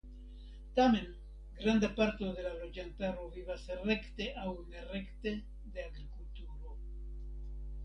Tamen granda parto de la loĝantaro vivas rekte aŭ nerekte de agrikulturo.